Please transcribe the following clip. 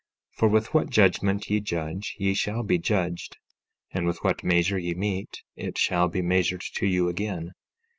14:2 For with what judgment ye judge, ye shall be judged; and with what measure ye mete, it shall be measured to you again.